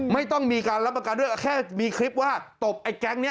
ไม่ต้องมีการรับประกันด้วยแค่มีคลิปว่าตบไอ้แก๊งนี้